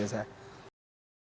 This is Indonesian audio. selamat bertugas kembali rizal